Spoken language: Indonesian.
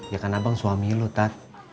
ya kan abang suami lu tat